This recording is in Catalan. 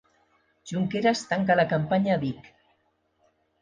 Junqueras tanca la campanya a Vic.